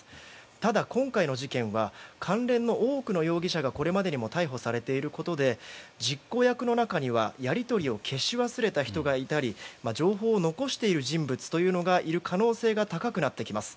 ただ、今回の事件は関連の多くの容疑者がこれまでに逮捕されていることで実行役の中にはやり取りを消し忘れた人がいたり情報を残している人物というのがいる可能性が高くなってきます。